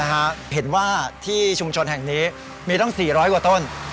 เห็นว่าที่ชุมชนแห่งนี้มีตั้ง๔๐๐กว่าต้น